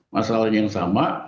masalahnya yang sama